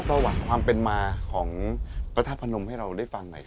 เล่าประวัติความเป็นมาของพระธาตุพระนมให้เราได้ฟังใหม่ครับ